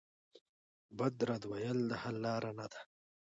بد رد ویل د حل لاره نه ده.